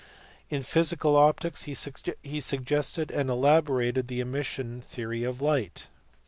In physical optics, he suggested and elaborated the emission theory of light.